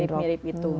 iya mirip mirip itu